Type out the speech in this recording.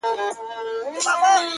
• له هر ځایه یې مړۍ په خوله کوله,